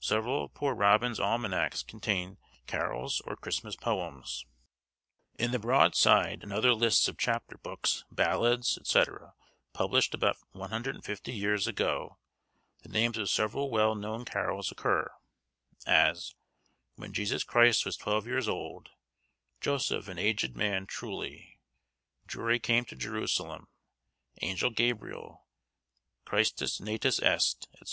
Several of Poor Robin's Almanacs contain carols or Christmas poems. In the broadside and other lists of chap books, ballads, &c. published about 150 years ago, the names of several well known carols occur, as, 'When Jesus Christ was twelve years old,' 'Joseph an aged man truly,' 'Jury came to Jerusalem,' 'Angel Gabriel,' 'Christus natus est,' &c.